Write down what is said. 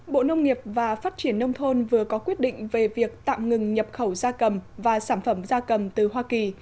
bộ nông nghiệp và phát triển nông thôn vừa có quyết định về việc tạm ngừng nhập khẩu da cầm và sản phẩm da cầm từ hoa kỳ